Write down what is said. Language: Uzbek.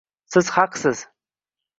Siz haqsiz.